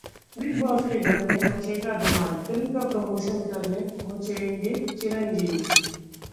big boss के घर में मचेगा धमाल, फिल्म का प्रमोशन करने पहुंचेंगे चिरंजीवी